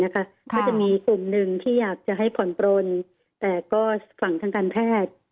ก็จะมีกลุ่มหนึ่งที่อยากจะให้ผ่อนปลนแต่ก็ฝั่งทางการแพทย์